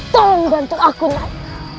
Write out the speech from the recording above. tolong bantu aku nay